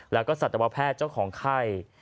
แล้วก็สัตวแพทย์เจ้าของไข้